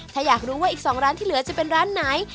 ถ้าอยากรู้ว่าอีก๒ร้านที่เหลือจะเป็นร้านไหน